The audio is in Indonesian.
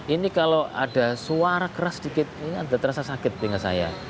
ini kalau ada suara keras sedikit ini ada terasa sakit di tengah saya